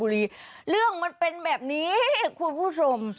เรื่องมันเป็นแบบนี้คุณผู้ชม